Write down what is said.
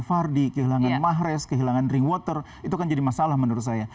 fardi kehilangan mahrez kehilangan rewater itu kan jadi masalah menurut saya